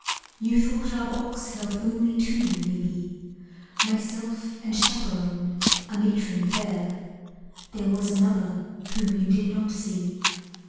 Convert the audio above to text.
You thought our box held only two, maybe Myself and chaperon, a matron fair. There was another whom you did not see.